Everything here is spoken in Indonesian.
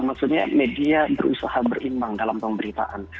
maksudnya media berusaha berimbang dalam pemberitaan